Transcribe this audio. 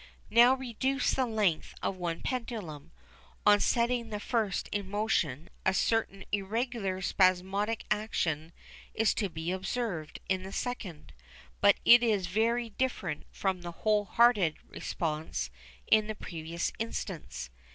Now reduce the length of one pendulum. On setting the first in motion a certain irregular spasmodic action is to be observed in the second, but it is very different from the "whole hearted" response in the previous instance.